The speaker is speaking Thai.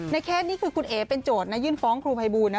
เคสนี้คือคุณเอ๋เป็นโจทย์นะยื่นฟ้องครูภัยบูลนะ